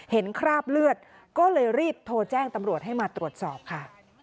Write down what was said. คราบเลือดก็เลยรีบโทรแจ้งตำรวจให้มาตรวจสอบค่ะ